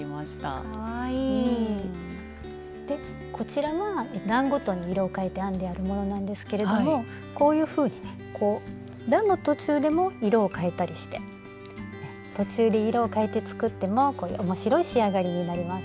こちらは段ごとに色を変えて編んであるものなんですけれどもこういうふうにね段の途中でも色を変えたりして途中で色を変えて作っても面白い仕上がりになります。